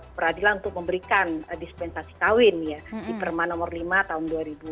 peradilan untuk memberikan dispensasi kawin ya di perma nomor lima tahun dua ribu dua puluh